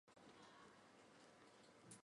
刘知俊得补徐州马步军都指挥使。